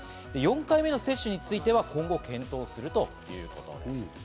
４回目の接種については今後、検討するということです。